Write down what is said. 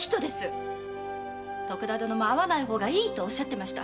徳田殿も会わない方がいいとおっしゃってました。